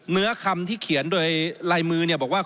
เนื้อคำที่เขียนโดยลายมือเนี่ยบอกว่า